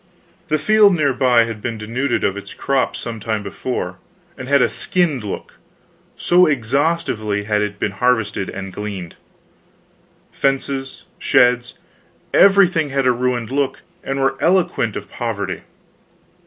The field near by had been denuded of its crop some time before, and had a skinned look, so exhaustively had it been harvested and gleaned. Fences, sheds, everything had a ruined look, and were eloquent of poverty.